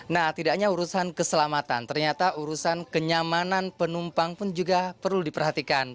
nah tidak hanya urusan keselamatan ternyata urusan kenyamanan penumpang pun juga perlu diperhatikan